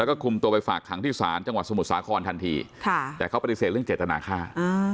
แล้วก็คุมตัวไปฝากขังที่ศาลจังหวัดสมุทรสาครทันทีแต่เขาปฏิเสธเรื่องเจตนาค่า